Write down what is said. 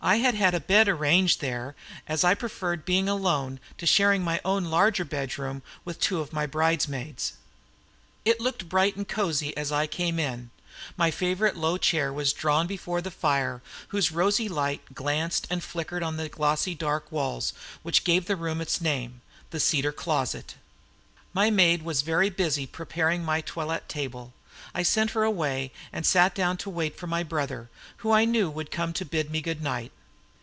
I had had a bed arranged there as I preferred being alone to sharing my own larger bedroom with two of my bridesmaids. It looked bright and cozy as I came in; my favorite low chair was drawn before the fire, whose rosy light glanced and flickered on the glossy dark walls, which gave the room its name, "The Cedar Closet." My maid was busy preparing my toilet table, I sent her away, and sat down to wait for my brother, who I knew would come to bid me good night.